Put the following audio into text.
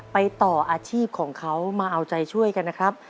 ต่ออาชีพของเขามาเอาใจช่วยกันนะครับ